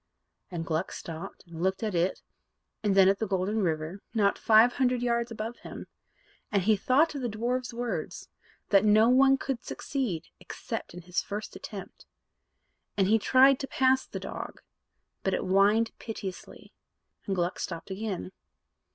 And Gluck stopped and looked at it and then at the Golden River, not five hundred yards above him; and he thought of the dwarf's words, "that no one could succeed, except in his first attempt"; and he tried to pass the dog, but it whined piteously, and Gluck stopped again.